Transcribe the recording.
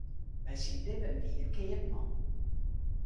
By syn libben wie er keapman.